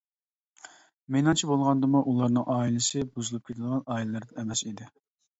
مېنىڭچە بولغاندىمۇ ئۇلارنىڭ ئائىلىسى بۇزۇلۇپ كېتىدىغان ئائىلىلەردىن ئەمەس ئىدى.